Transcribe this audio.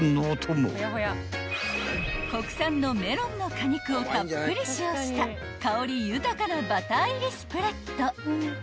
［国産のメロンの果肉をたっぷり使用した香り豊かなバター入りスプレッド］